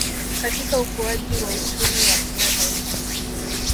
Katika ukuaji wa uchumi wa kila Taifa